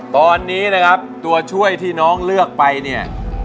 ตอนนี้นะครับตัวช่วยที่น้องเลือกไปเนี่ย